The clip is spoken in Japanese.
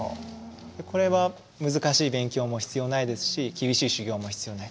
これは難しい勉強も必要ないですし厳しい修行も必要ない。